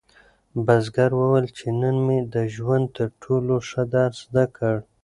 بزګر وویل چې نن مې د ژوند تر ټولو ښه درس زده کړ.